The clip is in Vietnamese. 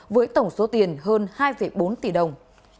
với tổng số tiền hơn hai bốn tỷ đồng